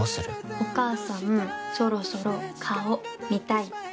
お母さんそろそろ顔見たいって。